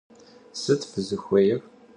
Sıt fızıxuêyr?